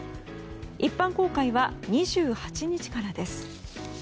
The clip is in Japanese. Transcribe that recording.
一般公開は２８日からです。